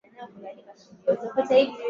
sikiliza rfi kiswashili